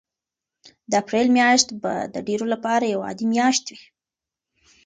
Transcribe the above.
د اپریل میاشت به د ډېرو لپاره یوه عادي میاشت وي.